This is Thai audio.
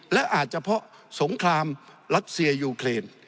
และอาจจะเพราะสงครามรัสเซียยูเครน